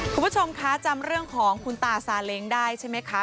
คุณผู้ชมคะจำเรื่องของคุณตาซาเล้งได้ใช่ไหมคะ